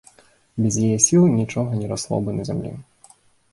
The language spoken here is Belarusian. Без яе сілы нічога не расло бы на зямлі.